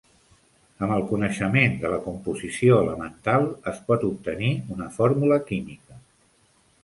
Amb el coneixement de la composició elemental es pot obtenir una fórmula química.